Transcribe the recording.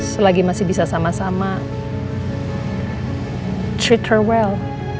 selagi masih bisa sama sama treat her well